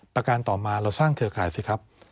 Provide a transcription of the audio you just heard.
ประการต่อมาเราสร้างเครือข่ายสิครับ